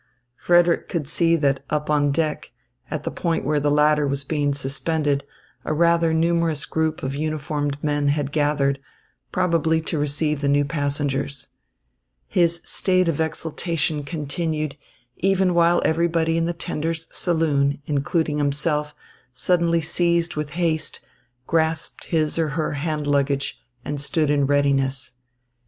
Frederick could see that up on deck, at the point where the ladder was being suspended, a rather numerous group of uniformed men had gathered, probably to receive the new passengers. His state of exaltation continued, even while everybody in the tender's saloon, including himself, suddenly seized with haste, grasped his or her hand luggage and stood in readiness.